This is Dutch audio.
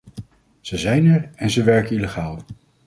Ze zijn er en ze werken illegaal.